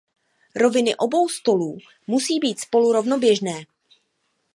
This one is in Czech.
Roviny obou stolů musí být spolu rovnoběžné.